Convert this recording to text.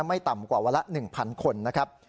ไม่ต่ำกว่าวันละ๑๐๐คนนะครับ